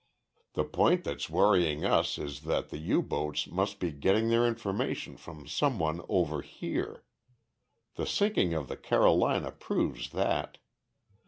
The point that's worrying us is that the U boats must be getting their information from some one over here. The sinking of the Carolina proves that.